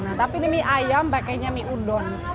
nah tapi ini mie ayam pakainya mie udon